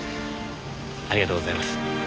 ありがとうございます。